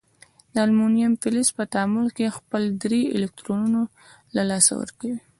د المونیم فلز په تعامل کې خپل درې الکترونونه له لاسه ورکوي.